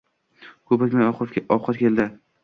Ko‘p o‘tmay ovqat keldi.